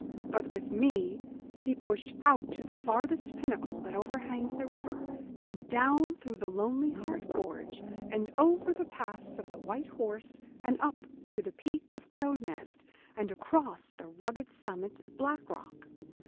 But with me he pushed out to the farthest pinnacle that overhangs the river, and down through the Lonely Heart gorge, and over the pass of the White Horse, and up to the peak of Cro' Nest, and across the rugged summit of Black Rock.